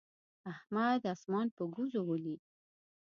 احمد اسمان په ګوزو ولي.